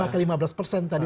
lima ke lima belas persen tadi